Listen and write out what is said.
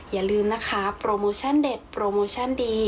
อย่าลืมนะคะโปรโมชั่นเด็ดโปรโมชั่นดี